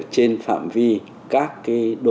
trên phạm vi các đô thị lớn